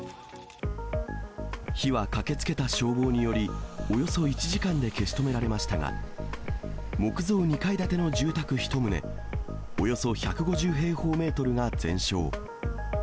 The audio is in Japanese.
火は駆けつけた消防により、およそ１時間で消し止められましたが、木造２階建ての住宅１棟、およそ１５０平方メートルが全焼。